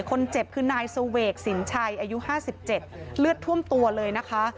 คนเจ็บคือนายเสวกสินชัยอายุ๕๗เลือดท่วมตัวเลยนะคะ